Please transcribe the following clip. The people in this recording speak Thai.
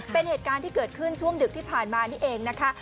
เป็นเหตุการณ์ที่เกิดขึ้นช่วงดึกที่ผ่านมานี่เองนะคะ